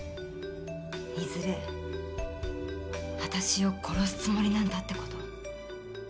いずれ私を殺すつもりなんだって事。